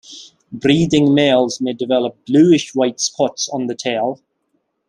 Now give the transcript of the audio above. Breeding males may develop bluish-white spots on the tail.